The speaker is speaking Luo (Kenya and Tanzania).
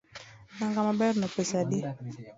Nanga maberno pesa adi?